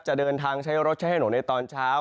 จะเดินทางใช้รถใช้ให้หนูในตอนเช้า